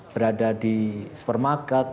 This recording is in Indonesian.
berada di supermarket